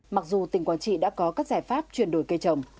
mặc dù tỉnh quảng trị đã có các giải pháp chuyển đổi cây trồng